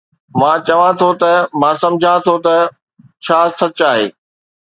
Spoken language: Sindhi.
مان چوان ٿو ته مان سمجهان ٿو ته ڇا سچ آهي